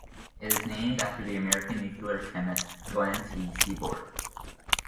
It is named after the American nuclear chemist Glenn T. Seaborg.